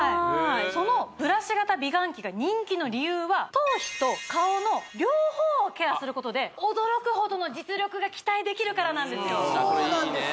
そのブラシ型美顔器が人気の理由は頭皮と顔の両方をケアすることで驚くほどの実力が期待できるからなんですよ